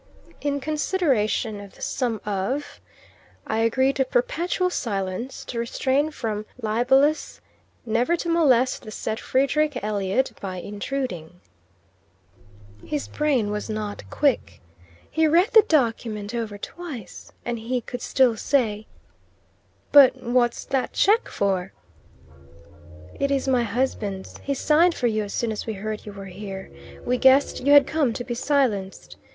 "In consideration of the sum of..., I agree to perpetual silence to restrain from libellous...never to molest the said Frederick Elliot by intruding '" His brain was not quick. He read the document over twice, and he could still say, "But what's that cheque for?" "It is my husband's. He signed for you as soon as we heard you were here. We guessed you had come to be silenced.